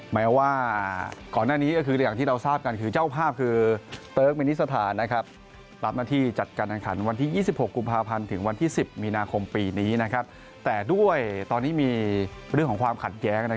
มาว่าก่อนหน้านี้คืออย่างที่เราทราบกันคือ